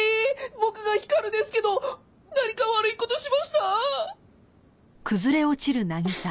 僕が光ですけど何か悪い事しました！？